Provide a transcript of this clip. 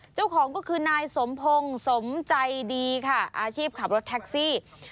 เจ้าของก็คือนายสมพงศ์สมใจดีค่ะอาชีพขับรถแท็กซี่